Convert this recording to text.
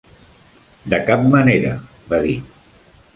"De cap manera", va dir.